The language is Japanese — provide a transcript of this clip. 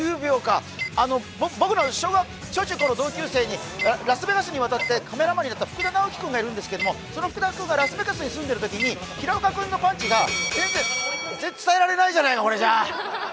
僕の小中高の同級生に、ラスベガスに渡ってカメラマンになった子がいるんですけどそのフクダくんがラスベガスに住んでいるときに平岡君のパンチが全然伝えられないじゃないの、これじゃ。